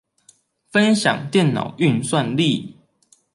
分享電腦運算力